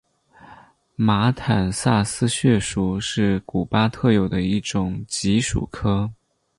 马坦萨斯穴鼠是古巴特有的一种棘鼠科。